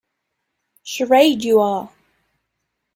Charade you are!